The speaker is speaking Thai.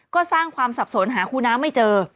ก็สร้างความสับสนหาคู่น้ำไม่เจอ